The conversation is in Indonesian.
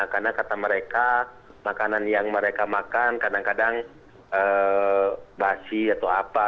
karena kata mereka makanan yang mereka makan kadang kadang basi atau apa